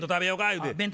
言うて。